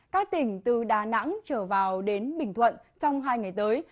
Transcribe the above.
các tỉnh từ đà nẵng trở vào đến bình thuận trong hai ngày tới